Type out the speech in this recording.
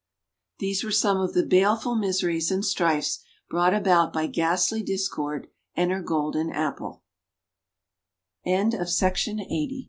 These were some of the baleful miseries and strifes brought about by ghastly Discord and her Golden Ap